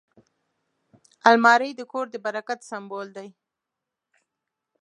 الماري د کور د برکت سمبول دی